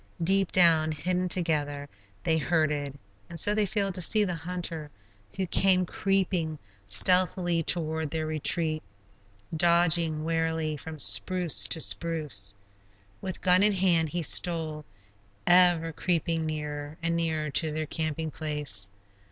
Deep down, hidden together, they herded, and so they failed to see the hunter who came creeping stealthily toward their retreat, dodging warily from spruce to spruce. With gun in hand he stole, ever creeping nearer and nearer to their camping place.